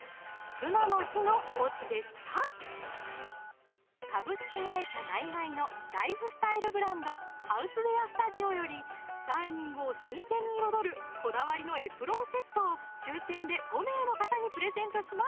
ツナの日のオチでしたナイガイのライフスタイルブランド「ＨＯＵＳＥＷＥＡＲＳＴＵＤＩＯ」よりダイニングを新鮮に彩るこだわりのエプロンセットを抽選で５名の方にプレゼントします